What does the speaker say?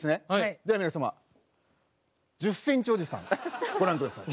では皆様１０ｃｍおじさんご覧ください。